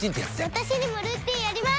私にもルーティンあります！